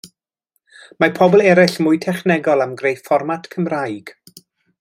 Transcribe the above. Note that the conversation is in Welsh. Mae pobl eraill mwy technegol am greu fformat Cymraeg.